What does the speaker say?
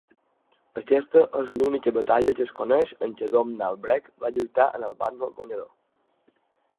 Aquesta és l'única batalla que es coneix en què Domnall Brecc va lluitar en el bàndol guanyador.